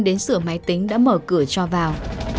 đến sửa máy tính đã mở cửa cho vào